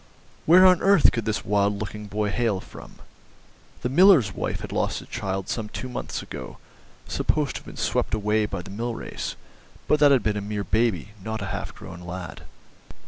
Where on earth could this wild looking boy hail from? The miller's wife had lost a child some two months ago, supposed to have been swept away by the mill race, but that had been a mere baby, not a half grown lad.